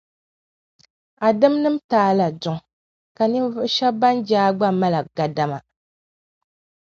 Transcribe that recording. a dimnim’ taala duŋ, ka ninvuɣ’ shɛb’ bɛn je a gba mali a gadama.